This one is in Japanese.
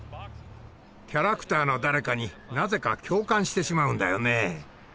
キャラクターの誰かになぜか共感してしまうんだよね。